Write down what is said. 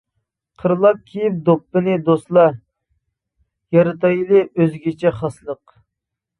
قىرلاپ كىيىپ دوپپىنى دوستلار، يارىتايلى ئۆزگىچە خاسلىق.